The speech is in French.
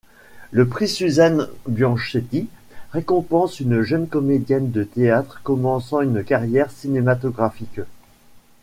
Le prix Suzanne-Bianchetti récompense une jeune comédienne de théâtre commençant une carrière cinématographique.